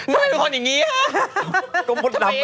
มันเป็นคนอย่างนี้ฮะ